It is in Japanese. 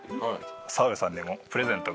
澤部さんにもプレゼントが。